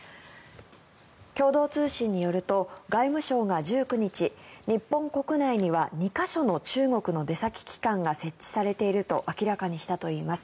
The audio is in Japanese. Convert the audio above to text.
共同通信によると外務省が１９日日本国内には２か所の中国の出先機関が設置されていると明らかにしたといいます。